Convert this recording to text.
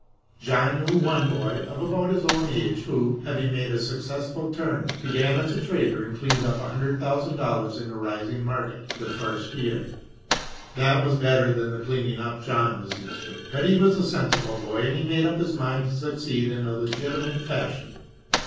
John knew one boy of about his own age, who, having made a successful turn, began as a trader and cleaned up a hundred thousand dollars in a rising market the first year. That was better than the cleaning up John was used to. But he was a sensible boy and had made up his mind to succeed in a legitimate fashion.